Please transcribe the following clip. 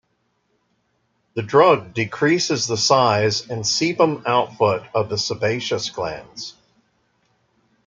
The drug decreases the size and sebum output of the sebaceous glands.